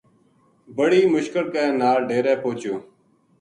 بڑی مشکل کے نال ڈیرے پوہچیو